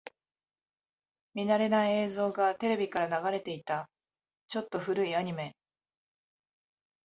見慣れない映像がテレビから流れていた。ちょっと古いアニメ。